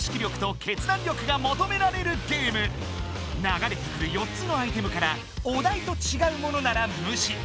流れてくる４つのアイテムからお題とちがうものなら無視。